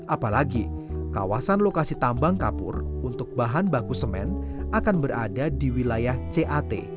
apalagi kawasan lokasi tambang kapur untuk bahan baku semen akan berada di wilayah cat